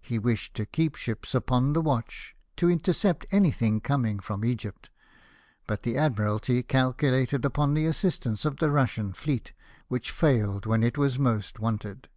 He wished to keep ships upon the watch, to intercept anything coming from Egypt ; but the Admiralty calculated upon the assistance of the Kussian fleet, which failed when it was most wanted.